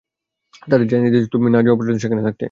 তাদের জানিয়ে দিয়েছি তুমি না যাওয়া পর্যন্ত সেখানে থাকতে।